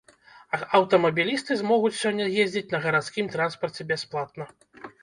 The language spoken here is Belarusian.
Аўтамабілісты змогуць сёння ездзіць на гарадскім транспарце бясплатна.